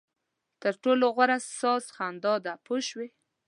تر ټولو غوره ساز خندا ده پوه شوې!.